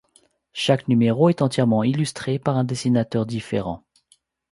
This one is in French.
Chaque numéro est entièrement illustré par un dessinateur différent.